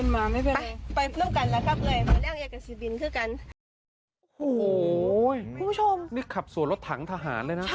น้องเป็นไรไม่เป็นไร